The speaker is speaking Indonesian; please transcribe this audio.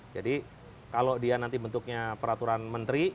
jadi kalau dia nanti bentuknya peraturan menteri